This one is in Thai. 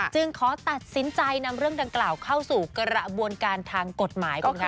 จึงขอตัดสินใจนำเรื่องดังกล่าวเข้าสู่กระบวนการทางกฎหมายก่อนค่ะ